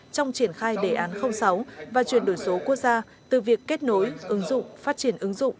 trong triển khai đề án sáu và chuyển đổi số quốc gia từ việc kết nối ứng dụng phát triển ứng dụng